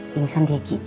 pingsan dia ghi